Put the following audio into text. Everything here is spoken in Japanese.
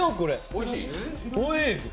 おいしい。